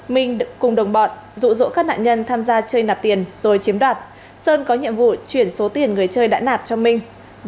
minh cùng đồng bọn rụ rỗ các nạn nhân tham gia chơi nạp tiền rồi chiếm đoạt sơn có nhiệm vụ chuyển số tiền người chơi đã nạp cho minh